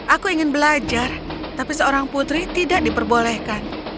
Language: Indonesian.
aku ingin belajar tapi seorang putri tidak diperbolehkan